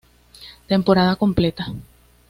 Temporada completa.